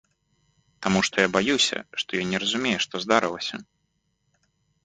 Таму што я баюся, што ён не разумее, што здарылася.